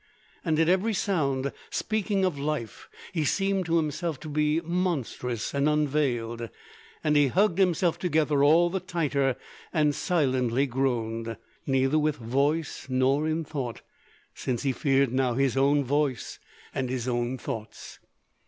And at every sound speaking of life he seemed to himself to be monstrous and unveiled, and he hugged himself together all the tighter, and silently groaned—neither with voice nor in thought—since he feared now his own voice and his own thoughts.